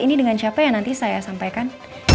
ini dengan siapa yang nanti saya sampaikan